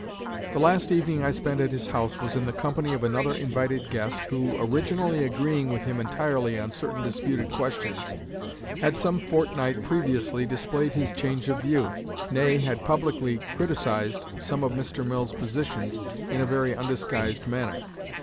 The last evening I spent at his house was in the company of another invited guest, who, originally agreeing with him entirely on certain disputed questions, had some fortnight previously displayed his change of view, nay, had publicly criticised some of Mr. Mill's positions in a very undisguised manner.